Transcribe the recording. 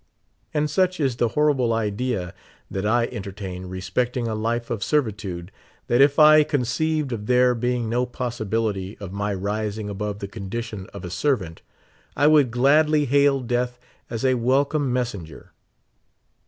And such is the horrible idea that I entertain respecting a life of servitude, that if I conceived of there being no possibility of my rising above the condition of a ser vant, I would gladly hail death as a welcome messenger.